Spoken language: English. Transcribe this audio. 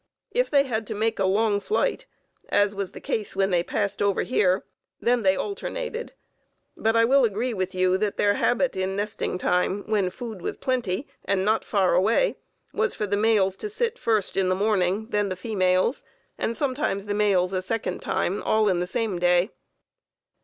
If they had to make a long flight, as was the case when they passed over here, then they alternated; but I will agree with you that their habit in nesting time when food was plenty and not far away, was for the males to sit first in the morning, then the females, and sometimes the males a second time, all in the same day.